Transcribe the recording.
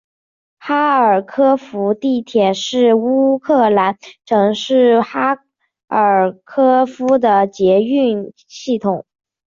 哈尔科夫地铁是乌克兰城市哈尔科夫的捷运系统。